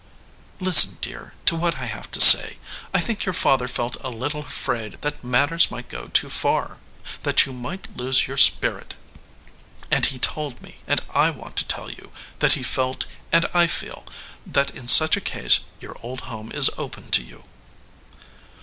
"Listen, dear, to what I have to say. I think your father felt a little afraid that matters might go too far that you might lose your spirit and he told me, and I want to tell you, that he felt and I feel that in such a case your old home is open to you."